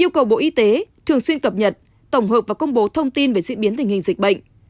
yêu cầu bộ y tế thường xuyên cập nhật tổng hợp và công bố thông tin về diễn biến tình hình dịch bệnh